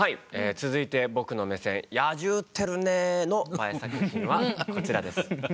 続いて僕の目線「野獣ってるねー！」のＢＡＥ作品はこちらです。